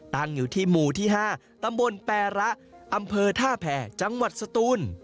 ตั้งอยู่ที่หมู่ที่๕ตำบลแประอำเภอท่าแผ่จังหวัดสตูน